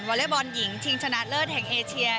อเล็กบอลหญิงชิงชนะเลิศแห่งเอเชีย